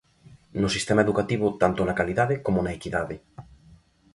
No sistema educativo, tanto na calidade como na equidade.